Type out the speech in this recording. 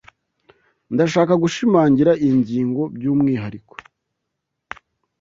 Ndashaka gushimangira iyi ngingo byumwihariko.